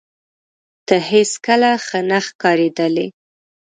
ته هیڅکله ښه نه ښکارېدلې